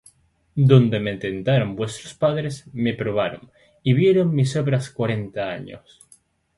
Donde me tentaron vuestros padres; me probaron, Y vieron mis obras cuarenta años.